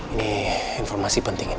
ini informasi penting ini